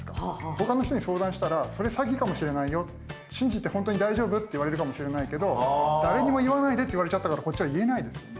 他の人に相談したら「それ詐欺かもしれないよ。信じて本当に大丈夫？」って言われるかもしれないけど誰にも言わないでって言われちゃったからこっちは言えないですよね。